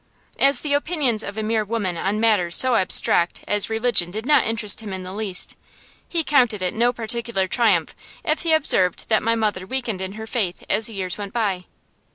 As the opinions of a mere woman on matters so abstract as religion did not interest him in the least, he counted it no particular triumph if he observed that my mother weakened in her faith as the years went by.